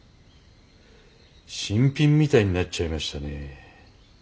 新品みたいになっちゃいましたね。